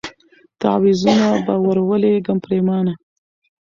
تعویذونه به ور ولیکم پرېمانه